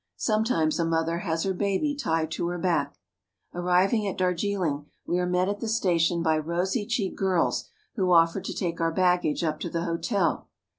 Sometimes a mother has her baby tied to her back. Arriving at Darjiling, we are met at the station by rosy cheeked girls who offer to take our baggage up to the hotel.